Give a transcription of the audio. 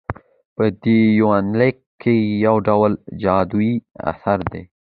په دې يونليک کې يوډول جادويي اثر دى